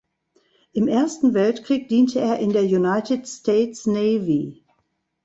Im Ersten Weltkrieg diente er in der United States Navy.